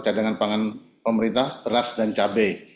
cadangan pangan pemerintah beras dan cabai